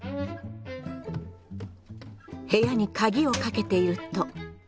部屋に鍵をかけていると。